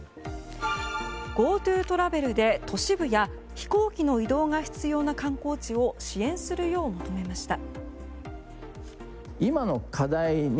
ＧｏＴｏトラベルで都市部や、飛行機の移動が必要な観光地を支援するよう求めました。